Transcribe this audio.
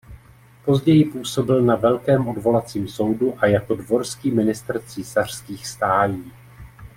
Později působil na Velkém odvolacím soudu a jako dvorský ministr císařských stájí.